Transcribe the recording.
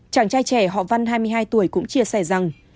chàng trai trẻ họ văn hai mươi hai tuổi cũng chia sẻ rằng